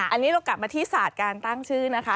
อันนี้เรากลับมาที่ศาสตร์การตั้งชื่อนะคะ